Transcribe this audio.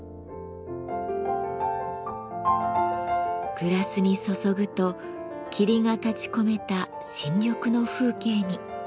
グラスに注ぐと霧が立ちこめた新緑の風景に。